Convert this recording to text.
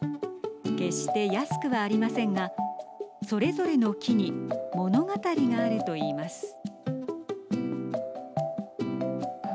決して安くはありませんがそれぞれの木に物語があるといいます。